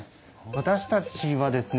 私たちはですね